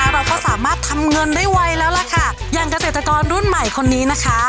เราก็สามารถทำเงินได้ไวแล้วล่ะค่ะอย่างเกษตรกรรุ่นใหม่คนนี้นะคะ